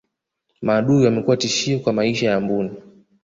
maadui wamekuwa tishio kwa maisha ya mbuni